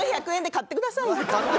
買ってくださいよ！